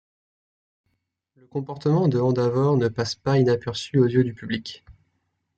Le comportement de Endeavor ne passe pas inaperçu aux yeux du public.